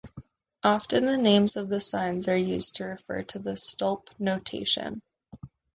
Often the names of the signs are used to refer to the stolp notation.